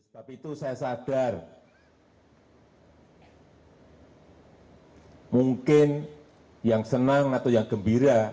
tapi itu saya sadar mungkin yang senang atau yang gembira